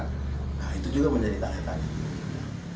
nah itu juga menjadi tanya tanya